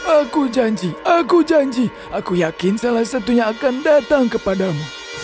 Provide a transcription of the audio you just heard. aku janji aku janji aku yakin salah satunya akan datang kepadamu